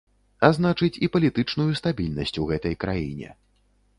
А значыць, і палітычную стабільнасць у гэтай краіне.